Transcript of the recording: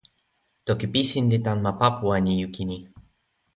toki Pisin li tan ma Papuwanijukini.